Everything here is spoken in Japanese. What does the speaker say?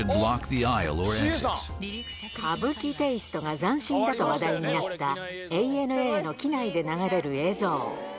歌舞伎テイストが斬新だと話題になった、ＡＮＡの機内で流れる映像。